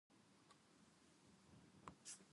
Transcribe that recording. よいことと悪いことの区別をわきまえないこと。